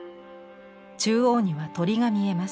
中央には鳥が見えます。